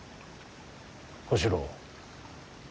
小四郎。